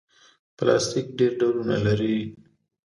پلاستيک ډېر ډولونه لري.